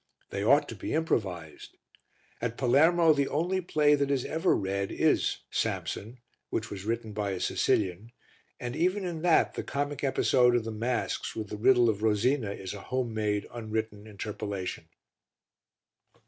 They ought to be improvised. At Palermo the only play that is ever read is Samson, which was written by a Sicilian, and even in that the comic episode of the masks with the riddle of Rosina is a home made, unwritten interpolation.